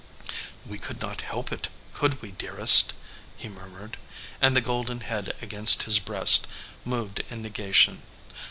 We could not help it, could we, dearest?" he murmured, and the golden head against his breast moved in negation.